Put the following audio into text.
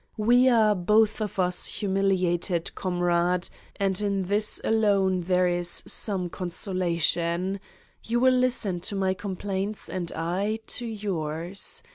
We are both of us humiliated, comrade, and in this alone 145 Satan's Diary there is some consolation: you will listen to my complaints and I to yours.